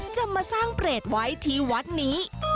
จะมาสร้างเปรตไว้ที่วัดนี้